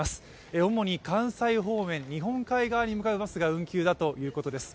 主に関西方面、日本海側に向かうバスが運休だということです。